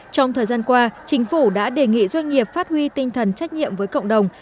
trong thời gian qua chính phủ đã đề nghị doanh nghiệp phát huy tinh thần trách nhiệm với cộng đồng